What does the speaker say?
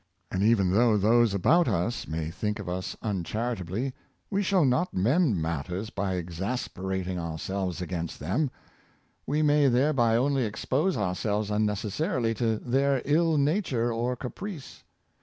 And even though those about us may think of us un charitably, we shall not mend matters by exasperating 486 Faraday'' s Practical Philosophy. ourselves against them. We may thereby only expose ourselves unnecessarily to their ill nature or caprice.